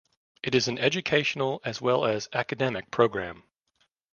It is an educational as well as academic program.